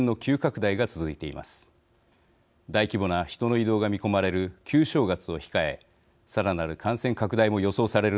大規模な人の移動が見込まれる旧正月を控えさらなる感染拡大も予想される